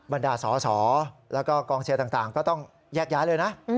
บรรดาสอสอแล้วก็กองเชียร์ต่างก็ต้องแยกย้ายเลยนะ